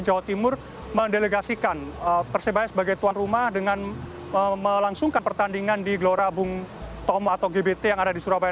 jawa timur mendelegasikan persebaya sebagai tuan rumah dengan melangsungkan pertandingan di gelora bung tomo atau gbt yang ada di surabaya